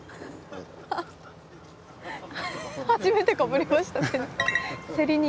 初めてかぶりました。